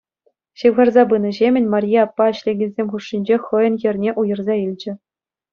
Ҫывхарса пынӑ ҫемӗн Марье аппа ӗҫлекенсем хушшинче хӑйӗн хӗрне уйӑрса илчӗ.